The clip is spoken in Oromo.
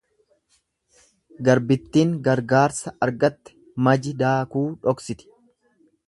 Garbittin gargaarsa argatte maji daakuu dhoksiti.